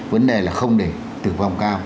vấn đề là không để tử vong cao